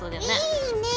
いいね。